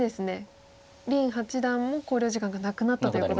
林八段も考慮時間がなくなったということで。